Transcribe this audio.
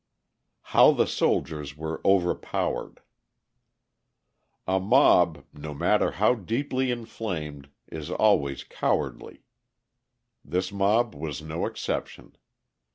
How the Soldiers Were Overpowered A mob, no matter how deeply inflamed, is always cowardly. This mob was no exception.